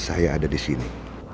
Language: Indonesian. saya ada di sini